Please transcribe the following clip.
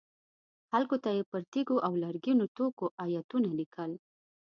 خلکو ته یې پر تیږو او لرګینو توکو ایتونه لیکل.